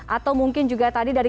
atau mungkin juga tadi dari